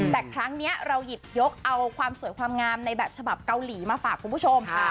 แต่ครั้งนี้เราหยิบยกเอาความสวยความงามในแบบฉบับเกาหลีมาฝากคุณผู้ชม